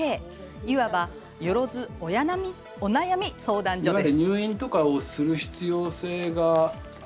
いわば、よろずお悩み相談所です。